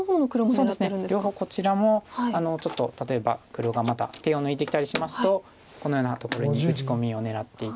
そうですね両方こちらもちょっと例えば黒がまた手を抜いてきたりしますとこのようなところに打ち込みを狙っていたり。